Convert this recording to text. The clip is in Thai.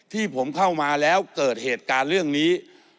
ที่ผมเข้ามาแล้วเกิดเหตุการณ์เรื่องนี้